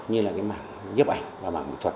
như là mạng nhiếp ảnh và mạng mỹ thuật